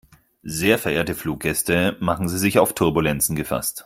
Sehr verehrte Fluggäste, machen Sie sich auf Turbulenzen gefasst.